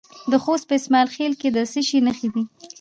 د خوست په اسماعیل خیل کې د څه شي نښې دي؟